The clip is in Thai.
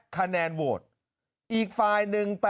คะแนนโวทย์อีกฝ่าย๑๘๘